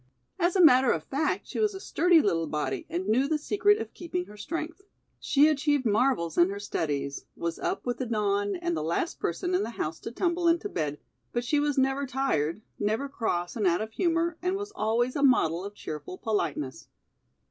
As a matter of fact, she was a sturdy little body and knew the secret of keeping her strength. She achieved marvels in her studies; was up with the dawn and the last person in the house to tumble into bed, but she was never tired, never cross and out of humor, and was always a model of cheerful politeness.